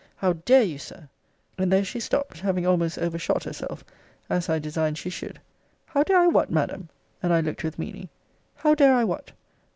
How dare you, Sir! And there she stopt; having almost overshot herself; as I designed she should. How dare I what, Madam? And I looked with meaning. How dare I what?